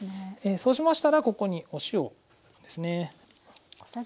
そうしましたらここにお塩ですね。